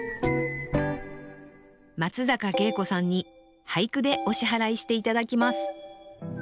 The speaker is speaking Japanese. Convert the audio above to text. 松坂慶子さんに俳句でお支払いして頂きます